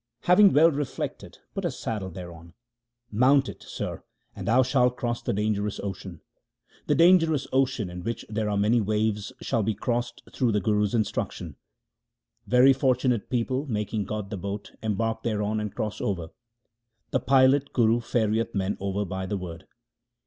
Having well reflected put a saddle thereon. 1 Mount it, Sir, and thou shalt cross the dangerous ocean. The dangerous ocean in which there are many waves shall be crossed through the Guru's instruction. Very fortunate people, making God the boat, embark thereon and cross over ; the pilot Guru ferrieth men over by the Word.